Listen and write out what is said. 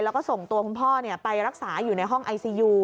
แล้วก็ส่งตัวคุณพ่อไปรักษาอยู่ในห้องไอซียู